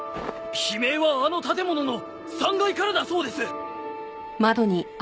悲鳴はあの建物の３階からだそうです。